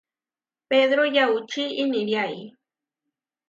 Pedro yaučí iniriái.